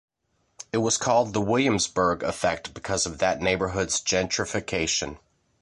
It was called the Williamsburg effect because of that neighborhood's gentrification.